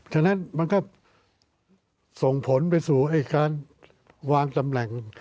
ฉะนั้นมันก็ส่งผลไปสู่การวางตำแหน่ง